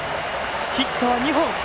ヒットを２本。